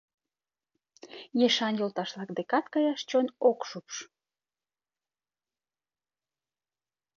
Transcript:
Ешан йолташ-влак декат каяш чон ок шупш.